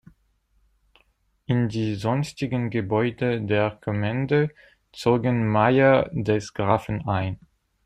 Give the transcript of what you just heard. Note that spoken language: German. In die sonstigen Gebäude der Kommende zogen Meier des Grafen ein.